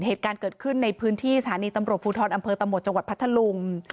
เหตุการณ์เกิดขึ้นในพื้นที่สถานีตำรวจภูทรอำเภอตะหมดจังหวัดพัทธลุง